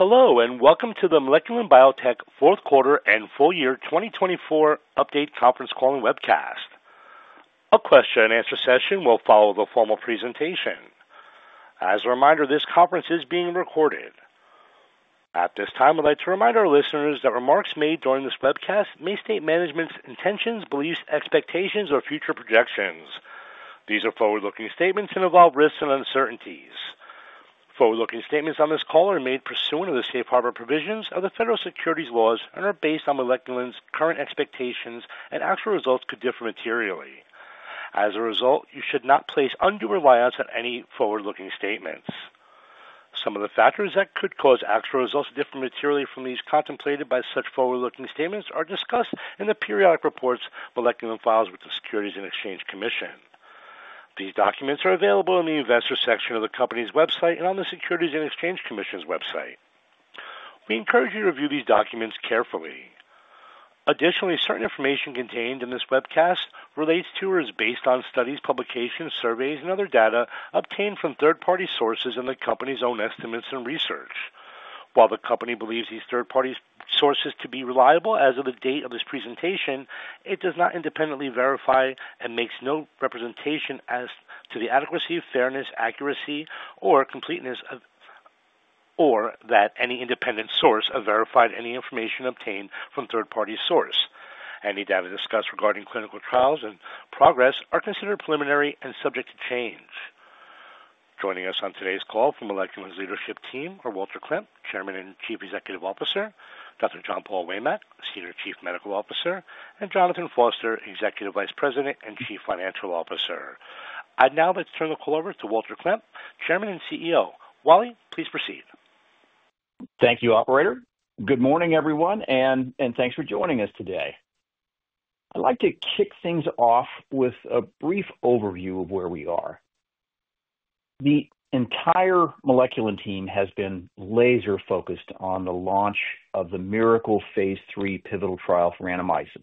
Hello and welcome to the Moleculin Biotech Fourth Quarter and Full Year 2024 Update Conference Call and Webcast. A question-and-answer session will follow the formal presentation. As a reminder, this conference is being recorded. At this time, I'd like to remind our listeners that remarks made during this webcast may state management's intentions, beliefs, expectations, or future projections. These are forward-looking statements and involve risks and uncertainties. Forward-looking statements on this call are made pursuant to the safe harbor provisions of the federal securities laws and are based on Moleculin's current expectations, and actual results could differ materially. As a result, you should not place undue reliance on any forward-looking statements. Some of the factors that could cause actual results to differ materially from those contemplated by such forward-looking statements are discussed in the periodic reports filed with the Securities and Exchange Commission. These documents are available in the investor section of the company's website and on the Securities and Exchange Commission's website. We encourage you to review these documents carefully. Additionally, certain information contained in this webcast relates to or is based on studies, publications, surveys, and other data obtained from third-party sources and the company's own estimates and research. While the company believes these third-party sources to be reliable as of the date of this presentation, it does not independently verify and makes no representation as to the adequacy, fairness, accuracy, or completeness of, or that any independent source has verified any information obtained from third-party source. Any data discussed regarding clinical trials and progress are considered preliminary and subject to change. Joining us on today's call from Moleculin's leadership team are Walter Klemp, Chairman and Chief Executive Officer; Dr. John Paul Waymack, Senior Chief Medical Officer, and Jonathan Foster, Executive Vice President and Chief Financial Officer. I'd now like to turn the call over to Walter Klemp, Chairman and CEO. Wally, please proceed. Thank you, Operator. Good morning, everyone, and thanks for joining us today. I'd like to kick things off with a brief overview of where we are. The entire Moleculin team has been laser-focused on the launch of the MIRACLE phase 3 pivotal trial for Annamycin.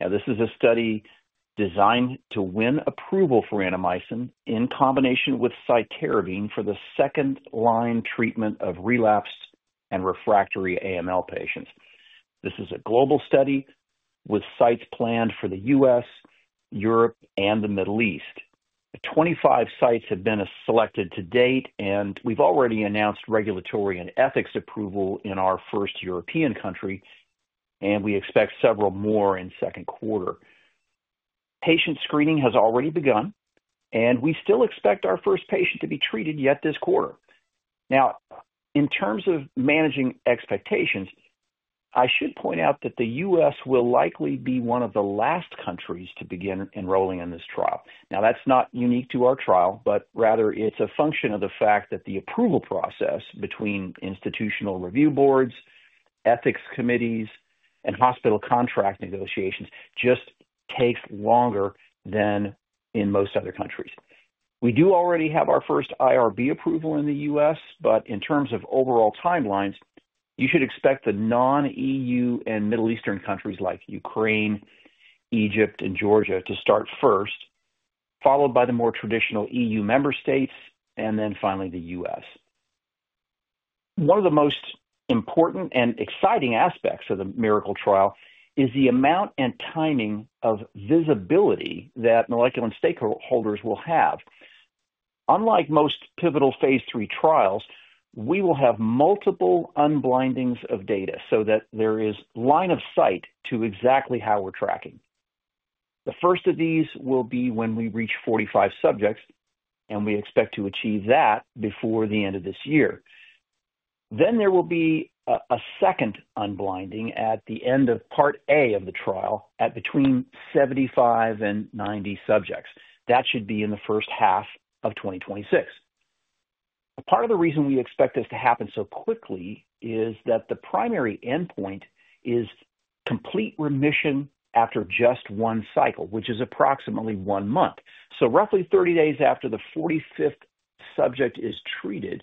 Now, this is a study designed to win approval for Annamycin in combination with cytarabine for the second-line treatment of relapsed and refractory AML patients. This is a global study with sites planned for the U.S., Europe, and the Middle East. Twenty-five sites have been selected to date, and we've already announced regulatory and ethics approval in our first European country, and we expect several more in the second quarter. Patient screening has already begun, and we still expect our first patient to be treated yet this quarter. Now, in terms of managing expectations, I should point out that the U.S. will likely be one of the last countries to begin enrolling in this trial. Now, that's not unique to our trial, but rather it's a function of the fact that the approval process between institutional review boards, ethics committees, and hospital contract negotiations just takes longer than in most other countries. We do already have our first IRB approval in the U.S., but in terms of overall timelines, you should expect the non-EU and Middle Eastern countries like Ukraine, Egypt, and Georgia to start first, followed by the more traditional EU member states, and then finally the U.S. One of the most important and exciting aspects of the MIRACLE trial is the amount and timing of visibility that Moleculin stakeholders will have. Unlike most pivotal phase 3 trials, we will have multiple unblindings of data so that there is line of sight to exactly how we're tracking. The first of these will be when we reach 45 subjects, and we expect to achieve that before the end of this year. There will be a second unblinding at the end of Part A of the trial at between 75 and 90 subjects. That should be in the first half of 2026. Part of the reason we expect this to happen so quickly is that the primary endpoint is complete remission after just one cycle, which is approximately one month. Roughly 30 days after the 45th subject is treated,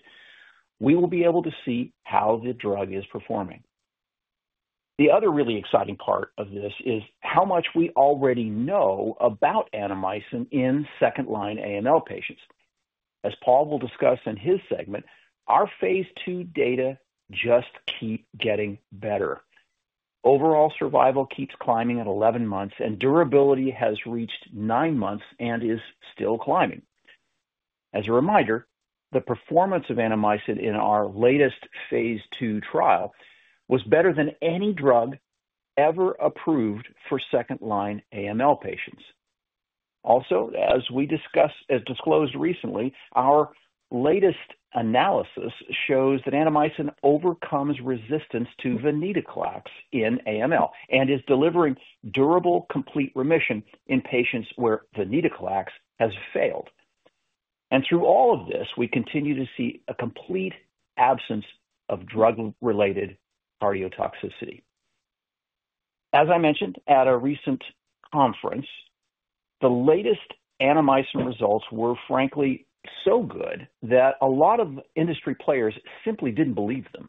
we will be able to see how the drug is performing. The other really exciting part of this is how much we already know about Annamycin in second-line AML patients. As Paul will discuss in his segment, our phase two data just keeps getting better. Overall survival keeps climbing at 11 months, and durability has reached 9 months and is still climbing. As a reminder, the performance of Annamycin in our latest phase two trial was better than any drug ever approved for second-line AML patients. Also, as we discussed, as disclosed recently, our latest analysis shows that Annamycin overcomes resistance to venetoclax in AML and is delivering durable complete remission in patients where venetoclax has failed. Through all of this, we continue to see a complete absence of drug-related cardiotoxicity. As I mentioned at a recent conference, the latest Annamycin results were frankly so good that a lot of industry players simply did not believe them.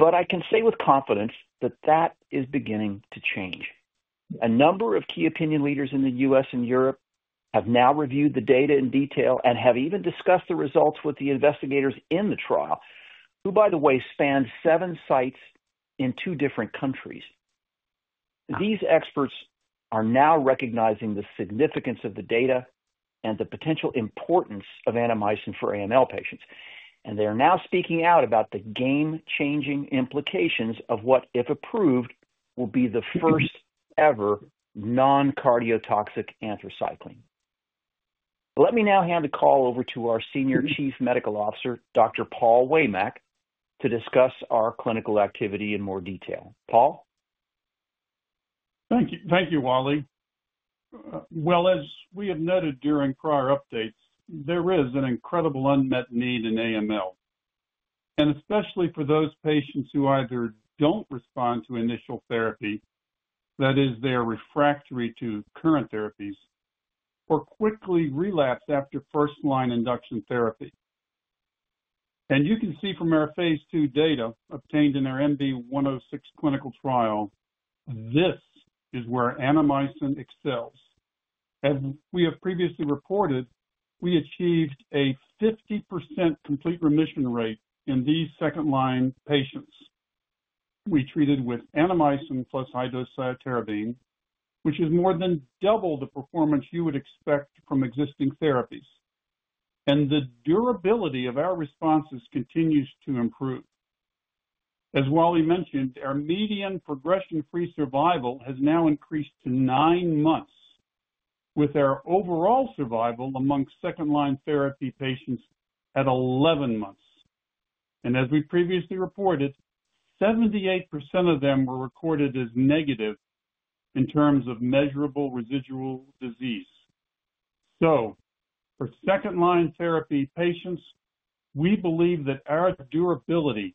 I can say with confidence that that is beginning to change. A number of key opinion leaders in the U.S. and Europe have now reviewed the data in detail and have even discussed the results with the investigators in the trial, who, by the way, spanned seven sites in two different countries. These experts are now recognizing the significance of the data and the potential importance of Annamycin for AML patients, and they are now speaking out about the game-changing implications of what, if approved, will be the first ever non-cardiotoxic anthracycline. Let me now hand the call over to our Senior Chief Medical Officer, Dr. John Paul Waymack, to discuss our clinical activity in more detail. Paul. Thank you. Thank you, Wally. As we have noted during prior updates, there is an incredible unmet need in AML, especially for those patients who either do not respond to initial therapy, that is, they are refractory to current therapies, or quickly relapse after first-line induction therapy. You can see from our phase 2 data obtained in our MB106 clinical trial, this is where Annamycin excels. As we have previously reported, we achieved a 50% complete remission rate in these second-line patients. We treated with Annamycin plus high-dose cytarabine, which is more than double the performance you would expect from existing therapies, and the durability of our responses continues to improve. As Wally mentioned, our median progression-free survival has now increased to nine months, with our overall survival among second-line therapy patients at 11 months. As we previously reported, 78% of them were recorded as negative in terms of measurable residual disease. For second-line therapy patients, we believe that our durability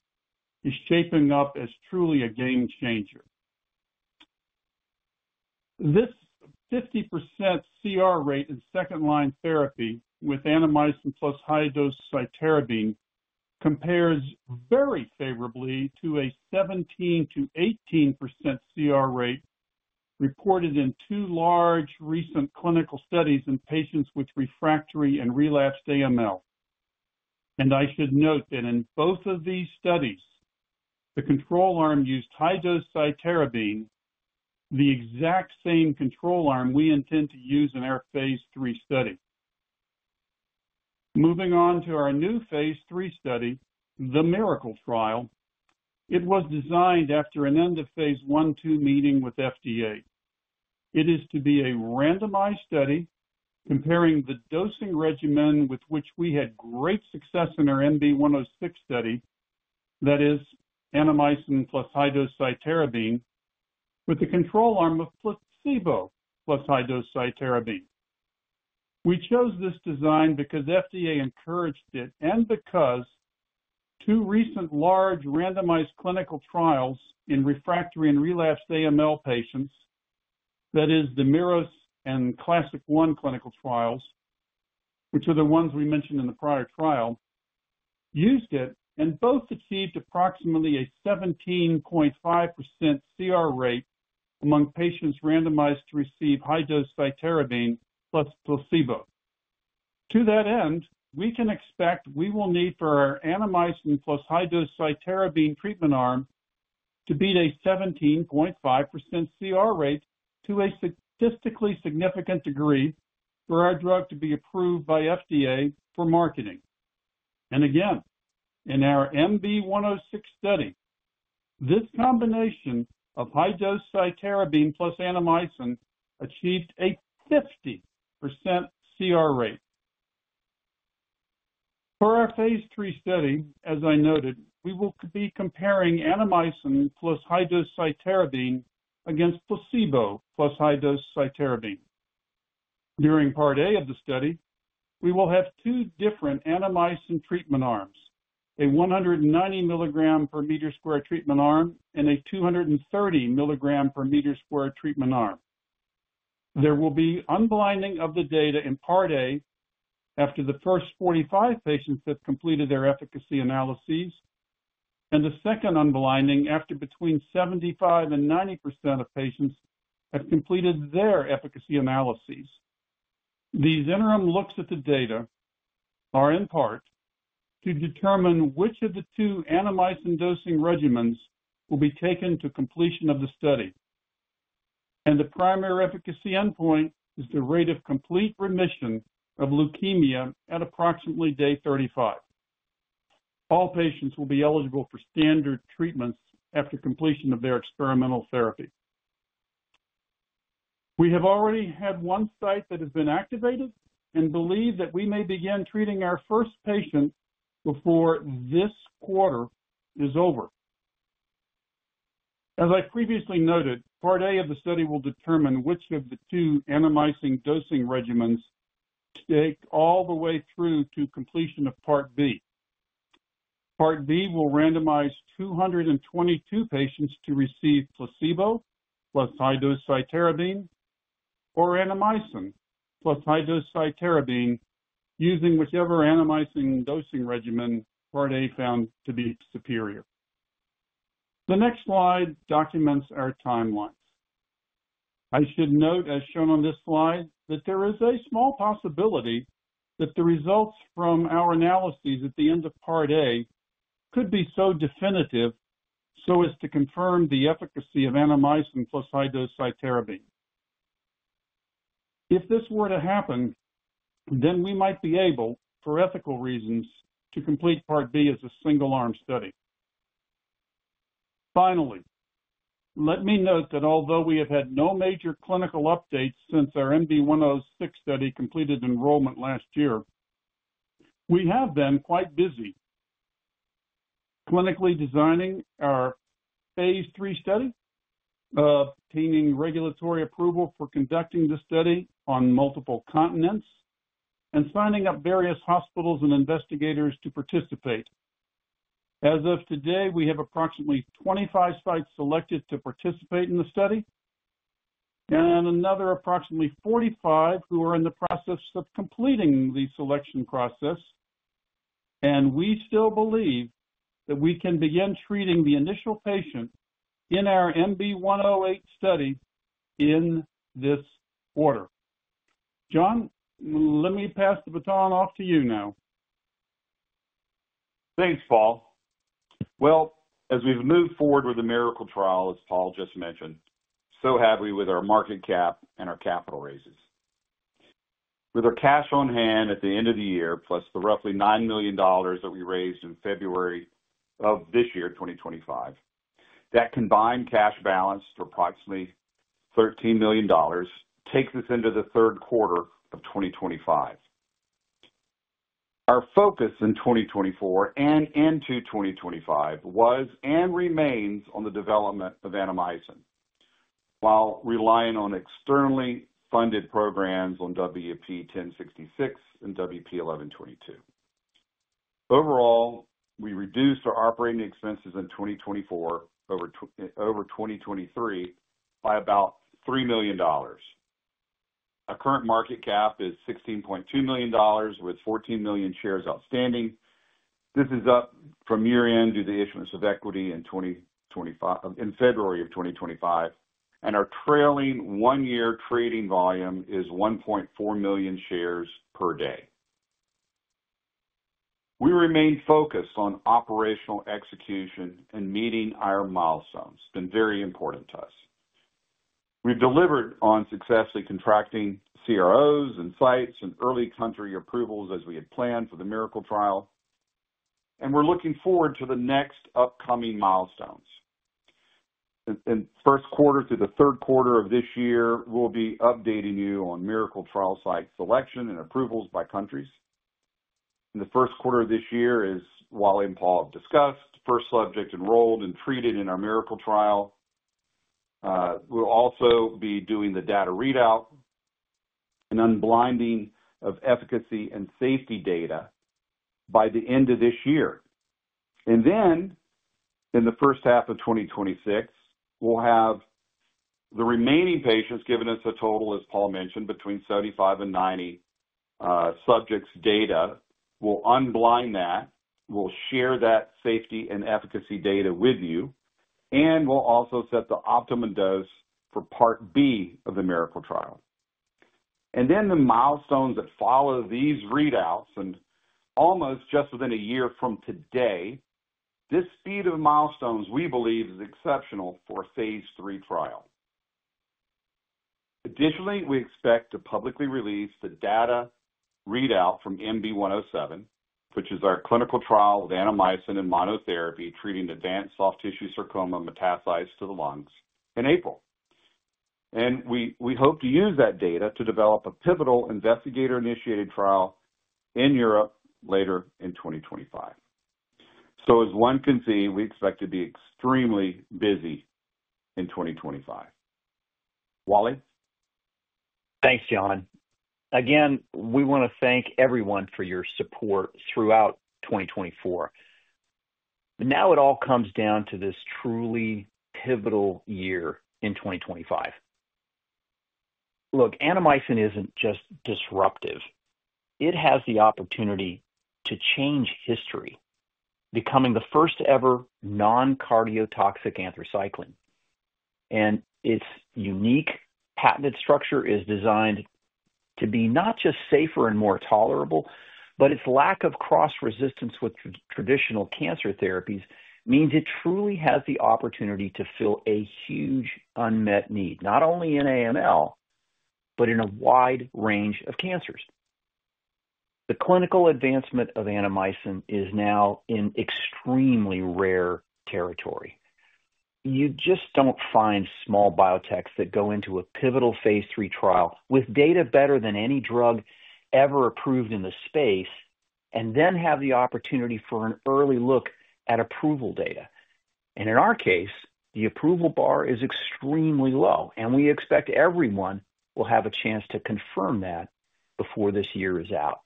is shaping up as truly a game changer. This 50% CR rate in second-line therapy with Annamycin plus high-dose cytarabine compares very favorably to a 17%-18% CR rate reported in two large recent clinical studies in patients with refractory and relapsed AML. I should note that in both of these studies, the control arm used high-dose cytarabine, the exact same control arm we intend to use in our phase 3 study. Moving on to our new phase 3 study, the MIRACLE trial, it was designed after an end of phase 1-2 meeting with the FDA. It is to be a randomized study comparing the dosing regimen with which we had great success in our MB106 study, that is, Annamycin plus high-dose cytarabine, with the control arm of placebo plus high-dose cytarabine. We chose this design because FDA encouraged it and because two recent large randomized clinical trials in refractory and relapsed AML patients, that is, the MIRROS and CLASSIC I clinical trials, which are the ones we mentioned in the prior trial, used it and both achieved approximately a 17.5% CR rate among patients randomized to receive high-dose cytarabine plus placebo. To that end, we can expect we will need for our Annamycin plus high-dose cytarabine treatment arm to beat a 17.5% CR rate to a statistically significant degree for our drug to be approved by FDA for marketing. In our MB106 study, this combination of high-dose cytarabine plus Annamycin achieved a 50% CR rate. For our phase 3 study, as I noted, we will be comparing Annamycin plus high-dose cytarabine against placebo plus high-dose cytarabine. During part A of the study, we will have two different Annamycin treatment arms, a 190 mg per meter square treatment arm and a 230 mg per meter square treatment arm. There will be unblinding of the data in part A after the first 45 patients have completed their efficacy analyses and the second unblinding after between 75% and 90% of patients have completed their efficacy analyses. These interim looks at the data are in part to determine which of the two Annamycin dosing regimens will be taken to completion of the study. The primary efficacy endpoint is the rate of complete remission of leukemia at approximately day 35. All patients will be eligible for standard treatments after completion of their experimental therapy. We have already had one site that has been activated and believe that we may begin treating our first patient before this quarter is over. As I previously noted, Part A of the study will determine which of the two Annamycin dosing regimens to take all the way through to completion of Part B. Part B will randomize 222 patients to receive placebo plus high-dose cytarabine or Annamycin plus high-dose cytarabine using whichever Annamycin dosing regimen Part A found to be superior. The next slide documents our timelines. I should note, as shown on this slide, that there is a small possibility that the results from our analyses at the end of Part A could be so definitive so as to confirm the efficacy of Annamycin plus high-dose cytarabine. If this were to happen, then we might be able, for ethical reasons, to complete Part B as a single-arm study. Finally, let me note that although we have had no major clinical updates since our MB106 study completed enrollment last year, we have been quite busy clinically designing our phase three study, obtaining regulatory approval for conducting the study on multiple continents and signing up various hospitals and investigators to participate. As of today, we have approximately 25 sites selected to participate in the study and another approximately 45 who are in the process of completing the selection process. We still believe that we can begin treating the initial patient in our MB108 study in this quarter. John, let me pass the baton off to you now. Thanks, Paul. As we've moved forward with the Miracle trial, as Paul just mentioned, so have we with our market cap and our capital raises. With our cash on hand at the end of the year, plus the roughly $9 million that we raised in February of this year, 2025, that combined cash balance for approximately $13 million takes us into the third quarter of 2025. Our focus in 2024 and into 2025 was and remains on the development of Annamycin while relying on externally funded programs on WP1066 and WP1122. Overall, we reduced our operating expenses in 2024 over 2023 by about $3 million. Our current market cap is $16.2 million with 14 million shares outstanding. This is up from year-end due to the issuance of equity in February of 2025, and our trailing one-year trading volume is 1.4 million shares per day. We remain focused on operational execution and meeting our milestones. It's been very important to us. We've delivered on successfully contracting CROs and sites and early country approvals as we had planned for the Miracle trial, and we're looking forward to the next upcoming milestones. In the first quarter through the third quarter of this year, we'll be updating you on Miracle trial site selection and approvals by countries. In the first quarter of this year, as Wally and Paul have discussed, the first subject enrolled and treated in our Miracle trial. We'll also be doing the data readout and unblinding of efficacy and safety data by the end of this year. In the first half of 2026, we'll have the remaining patients giving us a total, as Paul mentioned, between 75 and 90 subjects. Data will unblind that. We'll share that safety and efficacy data with you, and we'll also set the optimum dose for Part B of the Miracle trial. The milestones that follow these readouts, and almost just within a year from today, this speed of milestones we believe is exceptional for a phase 3 trial. Additionally, we expect to publicly release the data readout from MB107, which is our clinical trial with Annamycin monotherapy treating advanced soft tissue sarcoma metastasized to the lungs in April. We hope to use that data to develop a pivotal investigator-initiated trial in Europe later in 2025. As one can see, we expect to be extremely busy in 2025. Wally. Thanks, John. Again, we want to thank everyone for your support throughout 2024. Now it all comes down to this truly pivotal year in 2025. Look, Annamycin isn't just disruptive. It has the opportunity to change history, becoming the first ever non-cardiotoxic anthracycline. And its unique patented structure is designed to be not just safer and more tolerable, but its lack of cross-resistance with traditional cancer therapies means it truly has the opportunity to fill a huge unmet need, not only in AML, but in a wide range of cancers. The clinical advancement of Annamycin is now in extremely rare territory. You just don't find small biotechs that go into a pivotal phase 3 trial with data better than any drug ever approved in the space and then have the opportunity for an early look at approval data. In our case, the approval bar is extremely low, and we expect everyone will have a chance to confirm that before this year is out.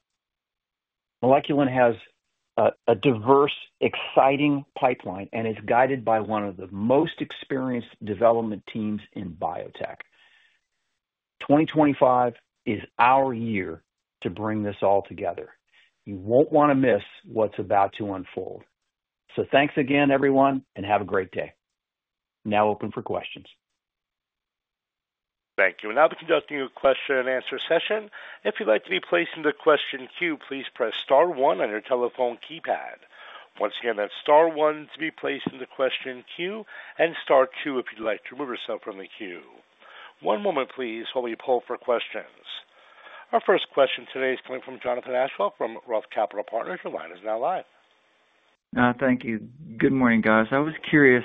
Moleculin has a diverse, exciting pipeline, and it's guided by one of the most experienced development teams in biotech. 2025 is our year to bring this all together. You won't want to miss what's about to unfold. Thanks again, everyone, and have a great day. Now open for questions. Thank you. Now, the conducting a question-and-answer session. If you'd like to be placed in the question queue, please press Star 1 on your telephone keypad. Once again, that's Star 1 to be placed in the question queue and Star 2 if you'd like to remove yourself from the queue. One moment, please, while we pull for questions. Our first question today is coming from Jonathan Aschoff from Roth Capital Partners. Your line is now live. Thank you. Good morning, guys. I was curious,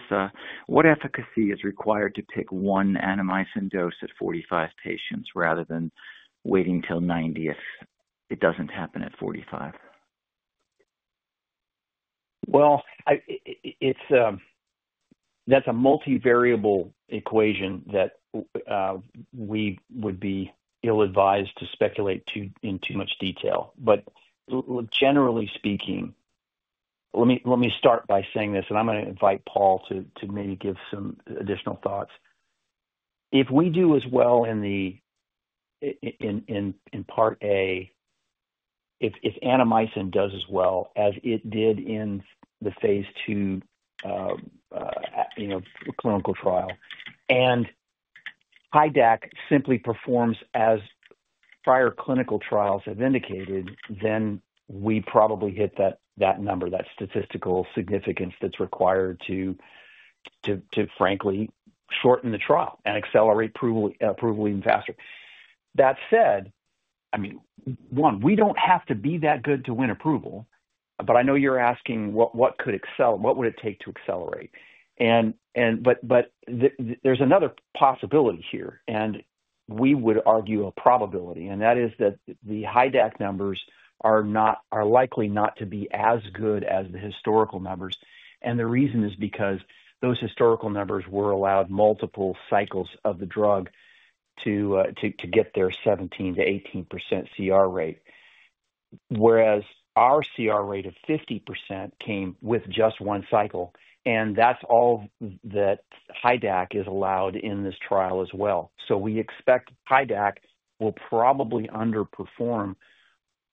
what efficacy is required to pick one Annamycin dose at 45 patients rather than waiting till 90 if it doesn't happen at 45? That's a multivariable equation that we would be ill-advised to speculate in too much detail. Generally speaking, let me start by saying this, and I'm going to invite Paul to maybe give some additional thoughts. If we do as well in Part A, if Annamycin does as well as it did in the phase 2 clinical trial and HIDAC simply performs as prior clinical trials have indicated, then we probably hit that number, that statistical significance that's required to, frankly, shorten the trial and accelerate approval even faster. That said, I mean, one, we don't have to be that good to win approval, but I know you're asking what could accelerate, what would it take to accelerate. There's another possibility here, and we would argue a probability, and that is that the HIDAC numbers are likely not to be as good as the historical numbers. The reason is because those historical numbers were allowed multiple cycles of the drug to get their 17%-18% CR rate, whereas our CR rate of 50% came with just one cycle. That is all that HIDAC is allowed in this trial as well. We expect HIDAC will probably underperform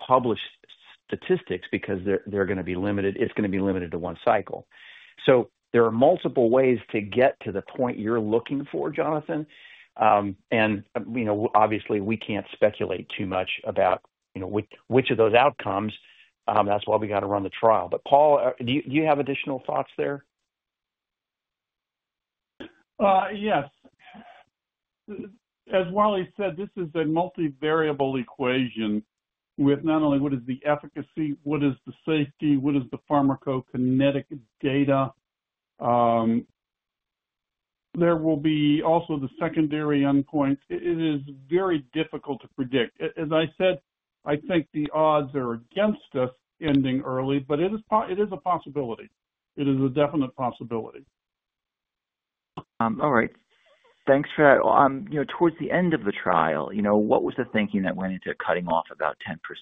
published statistics because it is going to be limited to one cycle. There are multiple ways to get to the point you are looking for, Jonathan. Obviously, we cannot speculate too much about which of those outcomes. That is why we have to run the trial. Paul, do you have additional thoughts there? Yes. As Wally said, this is a multivariable equation with not only what is the efficacy, what is the safety, what is the pharmacokinetic data. There will be also the secondary endpoint. It is very difficult to predict. As I said, I think the odds are against us ending early, but it is a possibility. It is a definite possibility. All right. Thanks for that. Towards the end of the trial, what was the thinking that went into cutting off about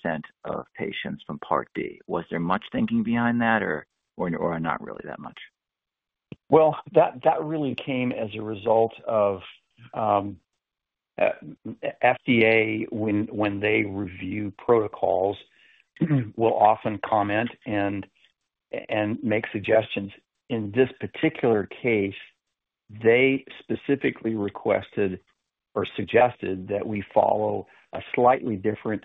10% of patients from Part B? Was there much thinking behind that or not really that much? That really came as a result of FDA when they review protocols, will often comment and make suggestions. In this particular case, they specifically requested or suggested that we follow a slightly different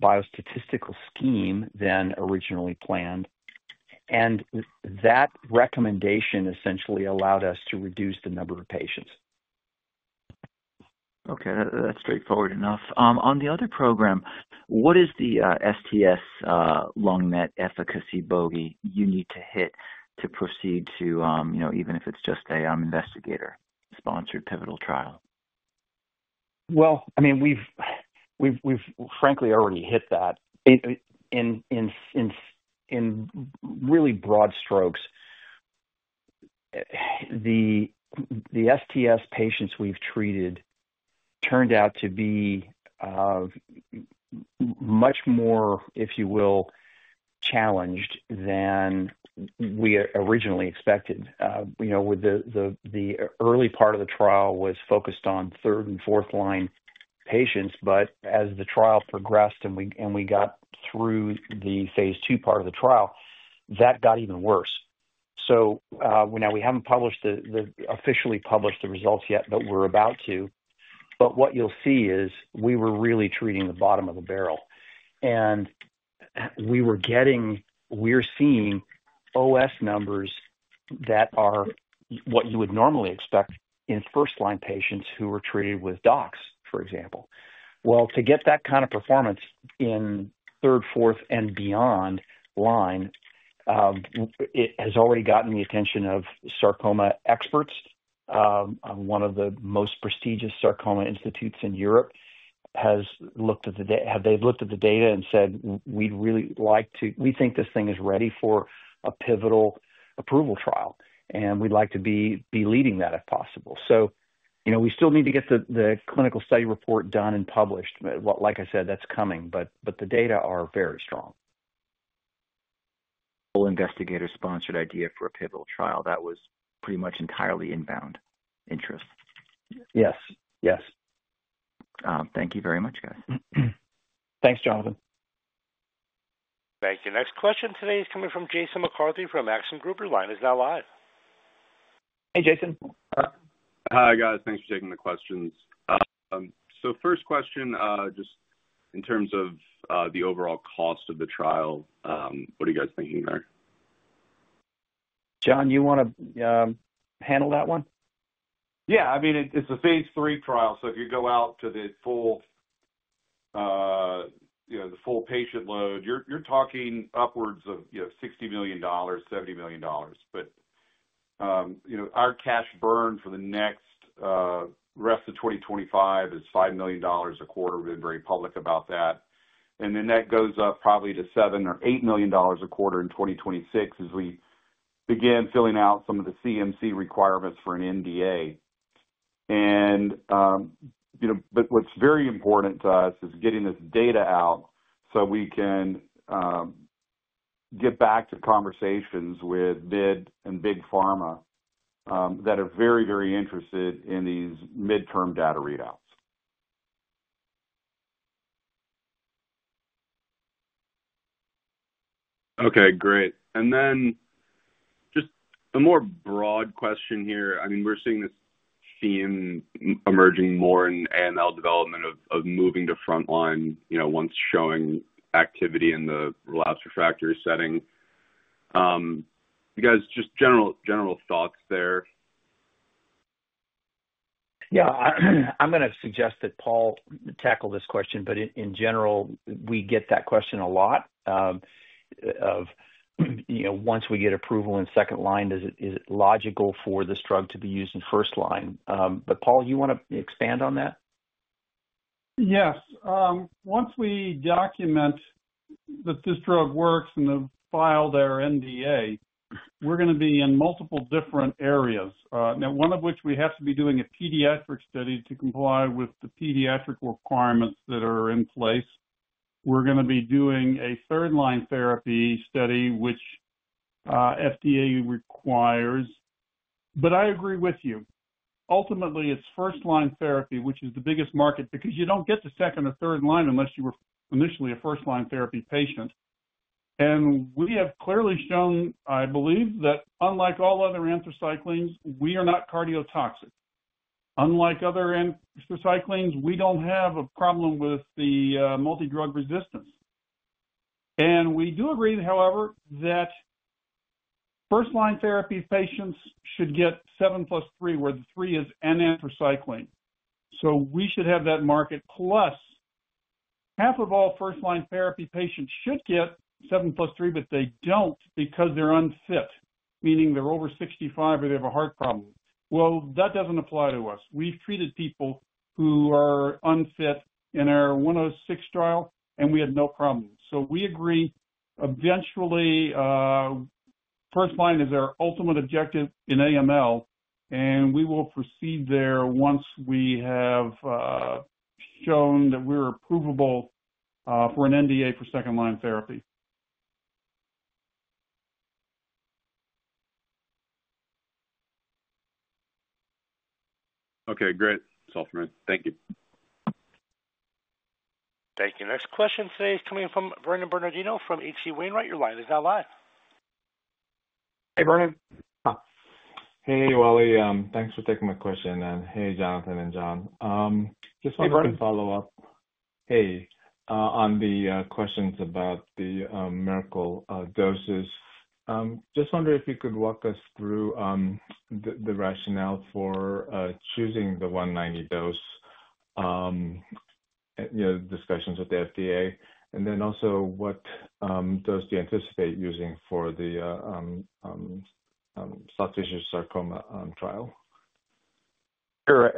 biostatistical scheme than originally planned. That recommendation essentially allowed us to reduce the number of patients. Okay. That's straightforward enough. On the other program, what is the STS lung met efficacy bogey you need to hit to proceed to, even if it's just an investigator-sponsored pivotal trial? I mean, we've frankly already hit that in really broad strokes. The STS patients we've treated turned out to be much more, if you will, challenged than we originally expected. The early part of the trial was focused on third and fourth-line patients, but as the trial progressed and we got through the phase two part of the trial, that got even worse. Now we haven't officially published the results yet, but we're about to. What you'll see is we were really treating the bottom of the barrel. We're seeing OS numbers that are what you would normally expect in first-line patients who were treated with Dox, for example. To get that kind of performance in third, fourth, and beyond line, it has already gotten the attention of sarcoma experts. One of the most prestigious sarcoma institutes in Europe has looked at the data. Have they looked at the data and said, "We'd really like to, we think this thing is ready for a pivotal approval trial, and we'd like to be leading that if possible." We still need to get the clinical study report done and published. Like I said, that's coming, but the data are very strong. Investigator-sponsored idea for a pivotal trial, that was pretty much entirely inbound interest. Yes. Yes. Thank you very much, guys. Thanks, Jonathan. Thanks. The next question today is coming from Jason McCarthy from Maxim Group. Your line is now live. Hey, Jason. Hi, guys. Thanks for taking the questions. First question, just in terms of the overall cost of the trial, what are you guys thinking there? John, you want to handle that one? Yeah. I mean, it's a phase three trial. If you go out to the full patient load, you're talking upwards of $60 million-$70 million. Our cash burn for the rest of 2025 is $5 million a quarter. We've been very public about that. That goes up probably to $7 million-$8 million a quarter in 2026 as we begin filling out some of the CMC requirements for an NDA. What's very important to us is getting this data out so we can get back to conversations with mid and big pharma that are very, very interested in these midterm data readouts. Okay. Great. Just a more broad question here. I mean, we're seeing this theme emerging more in AML development of moving to frontline once showing activity in the relapse refractory setting. You guys, just general thoughts there? Yeah. I'm going to suggest that Paul tackle this question, but in general, we get that question a lot of once we get approval in second line, is it logical for this drug to be used in first line? Paul, you want to expand on that? Yes. Once we document that this drug works and they file their NDA, we're going to be in multiple different areas. Now, one of which we have to be doing a pediatric study to comply with the pediatric requirements that are in place. We're going to be doing a third-line therapy study, which FDA requires. I agree with you. Ultimately, it's first-line therapy, which is the biggest market because you don't get to second or third line unless you were initially a first-line therapy patient. We have clearly shown, I believe, that unlike all other anthracyclines, we are not cardiotoxic. Unlike other anthracyclines, we don't have a problem with the multi-drug resistance. We do agree, however, that first-line therapy patients should get 7 plus 3, where the 3 is an anthracycline. We should have that market. Plus, half of all first-line therapy patients should get 7 plus 3, but they don't because they're unfit, meaning they're over 65 or they have a heart problem. That doesn't apply to us. We've treated people who are unfit in our 106 trial, and we had no problem. We agree eventually first line is our ultimate objective in AML, and we will proceed there once we have shown that we're approvable for an NDA for second-line therapy. Okay. Great. That's all from my end. Thank you. Thank you. Next question today is coming from Vernon Bernardino from H.C. Wainwright. Your line is now live. Hey, Vernon. Hey, Wally. Thanks for taking my question. Hey, Jonathan and John. Just wanted to follow up. Hey, Vernon. Hey. On the questions about the medical doses, just wonder if you could walk us through the rationale for choosing the 190 dose, discussions with the FDA, and then also what dose do you anticipate using for the soft tissue sarcoma trial? Sure.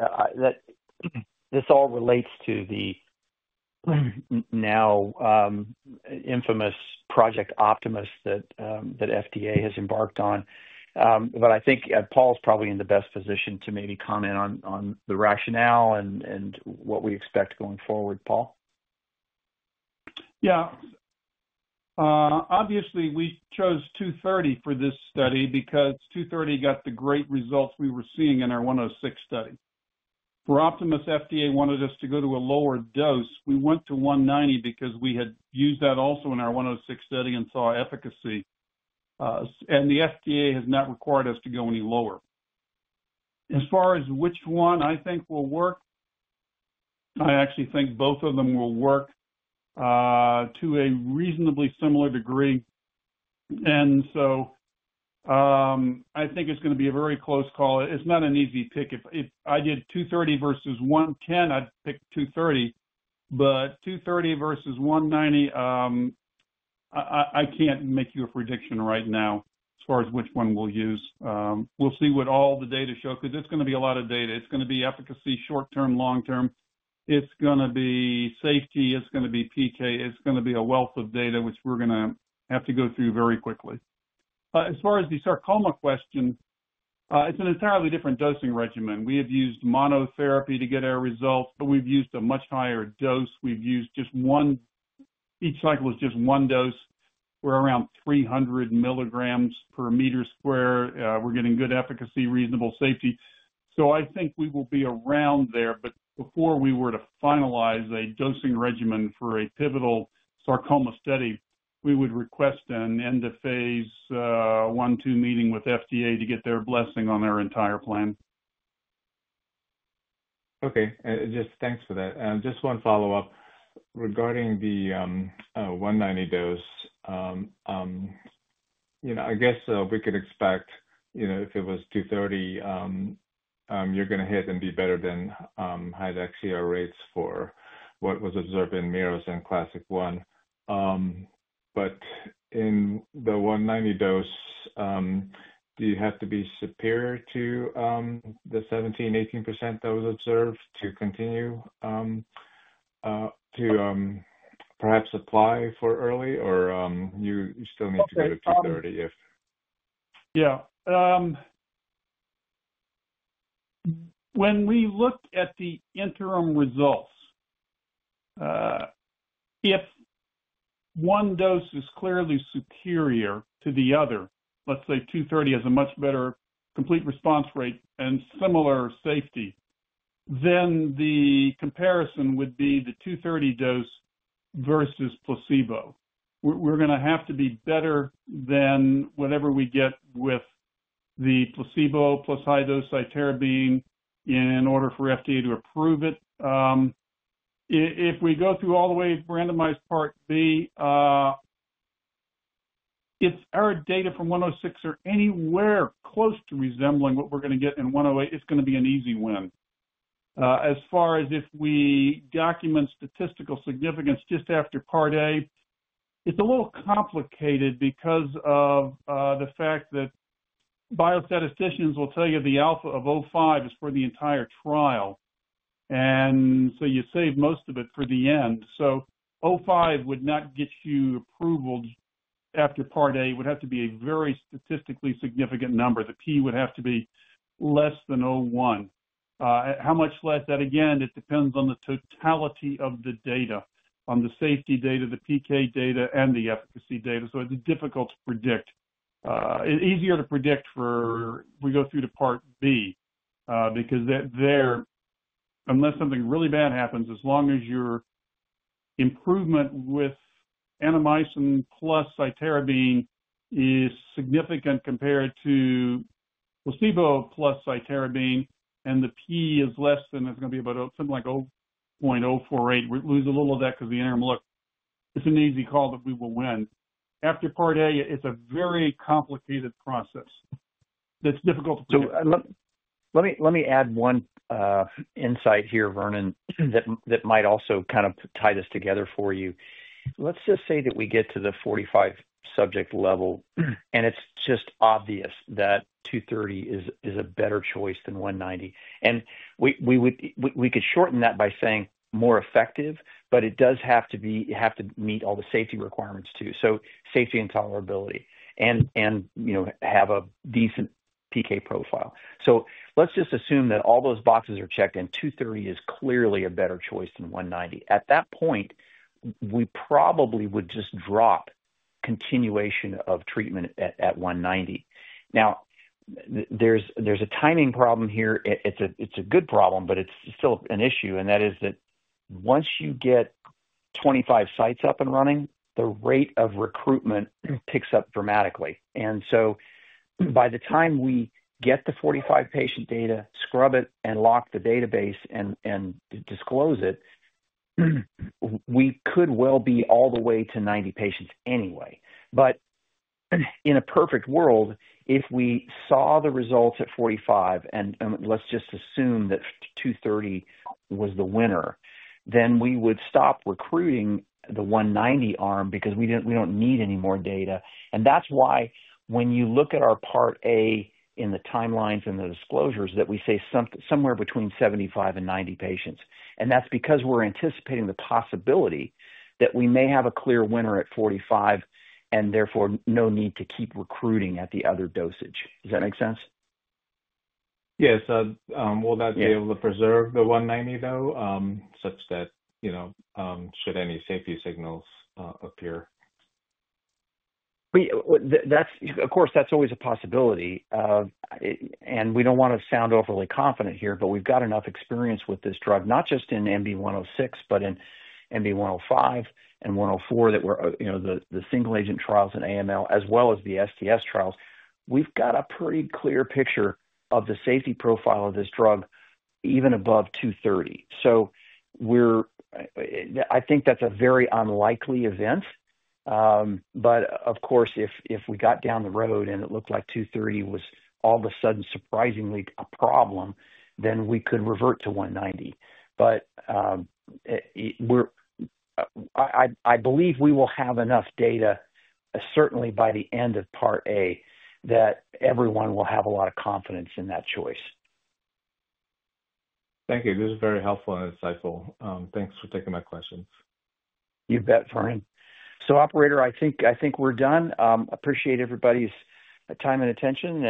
This all relates to the now infamous Project Optimus that FDA has embarked on. I think Paul's probably in the best position to maybe comment on the rationale and what we expect going forward, Paul. Yeah. Obviously, we chose 230 for this study because 230 got the great results we were seeing in our 106 study. For Optimus, FDA wanted us to go to a lower dose. We went to 190 because we had used that also in our 106 study and saw efficacy. The FDA has not required us to go any lower. As far as which one I think will work, I actually think both of them will work to a reasonably similar degree. I think it's going to be a very close call. It's not an easy pick. If I did 230 versus 110, I'd pick 230. 230 versus 190, I can't make you a prediction right now as far as which one we'll use. We'll see what all the data show because it's going to be a lot of data. It's going to be efficacy, short-term, long-term. It's going to be safety. It's going to be PK. It's going to be a wealth of data, which we're going to have to go through very quickly. As far as the sarcoma question, it's an entirely different dosing regimen. We have used monotherapy to get our results, but we've used a much higher dose. We've used just one each cycle is just one dose. We're around 300 mg per meter square. We're getting good efficacy, reasonable safety. I think we will be around there. Before we were to finalize a dosing regimen for a pivotal sarcoma study, we would request an end-of-phase one-two meeting with FDA to get their blessing on our entire plan. Okay. Just thanks for that. Just one follow-up regarding the 190 dose. I guess we could expect if it was 230, you're going to hit and be better than high CR rates for what was observed in MIRROS and CLASSIC I. But in the 190 dose, do you have to be superior to the 17%, 18% that was observed to continue to perhaps apply for early, or you still need to go to 230 if? Yeah. When we look at the interim results, if one dose is clearly superior to the other, let's say 230 has a much better complete response rate and similar safety, then the comparison would be the 230 dose versus placebo. We're going to have to be better than whatever we get with the placebo plus high-dose cytarabine in order for FDA to approve it. If we go through all the way randomized Part B, if our data from 106 are anywhere close to resembling what we're going to get in 108, it's going to be an easy win. As far as if we document statistical significance just after Part A, it's a little complicated because of the fact that biostatisticians will tell you the alpha of 0.5 is for the entire trial. And so, you save most of it for the end. 05 would not get you approval after Part A. It would have to be a very statistically significant number. The P would have to be less than 01. How much less? That, again, it depends on the totality of the data, on the safety data, the PK data, and the efficacy data. It's difficult to predict. It's easier to predict for if we go through to Part B because there, unless something really bad happens, as long as your improvement with Annamycin plus cytarabine is significant compared to placebo plus cytarabine and the P is less than it's going to be about something like 0.048, we lose a little of that because of the interim look. It's an easy call that we will win. After Part A, it's a very complicated process that's difficult to predict. Let me add one insight here, Vernon, that might also kind of tie this together for you. Let's just say that we get to the 45 subject level, and it's just obvious that 230 is a better choice than 190. We could shorten that by saying more effective, but it does have to meet all the safety requirements too. Safety and tolerability and have a decent PK profile. Let's just assume that all those boxes are checked and 230 is clearly a better choice than 190. At that point, we probably would just drop continuation of treatment at 190. Now, there's a timing problem here. It's a good problem, but it's still an issue. That is that once you get 25 sites up and running, the rate of recruitment picks up dramatically. By the time we get the 45 patient data, scrub it and lock the database and disclose it, we could well be all the way to 90 patients anyway. In a perfect world, if we saw the results at 45, and let's just assume that 230 was the winner, then we would stop recruiting the 190 arm because we don't need any more data. That is why when you look at our Part A in the timelines and the disclosures, we say somewhere between 75 and 90 patients. That is because we're anticipating the possibility that we may have a clear winner at 45 and therefore no need to keep recruiting at the other dosage. Does that make sense? Yes. Will that be able to preserve the 190 though, such that should any safety signals appear? Of course, that's always a possibility. We don't want to sound overly confident here, but we've got enough experience with this drug, not just in MB106, but in MB105 and 104 that were the single-agent trials in AML as well as the STS trials. We've got a pretty clear picture of the safety profile of this drug even above 230. I think that's a very unlikely event. Of course, if we got down the road and it looked like 230 was all of a sudden surprisingly a problem, then we could revert to 190. I believe we will have enough data, certainly by the end of Part A, that everyone will have a lot of confidence in that choice. Thank you. This is very helpful and insightful. Thanks for taking my questions. You bet, Vernon. Operator, I think we're done. Appreciate everybody's time and attention.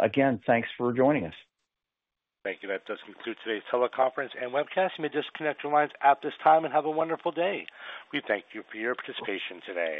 Again, thanks for joining us. Thank you. That does conclude today's teleconference and webcast. You may disconnect your lines at this time and have a wonderful day. We thank you for your participation today.